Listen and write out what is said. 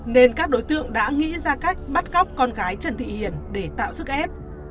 nên các đối tượng đã nghĩ ra cách bắt cóc con gái trần thị hiền để tạo sức ép